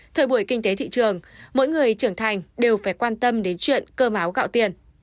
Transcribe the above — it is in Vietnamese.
thời buổi kinh tế thị trường mỗi người trưởng thành đều phải quan tâm đến chuyện cơ máu gạo tiền